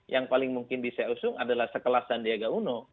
yang paling mungkin bisa usung adalah sekelas sandiaga uno